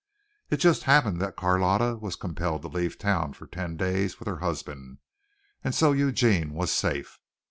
It just happened that Carlotta was compelled to leave town for ten days with her husband, and so Eugene was safe.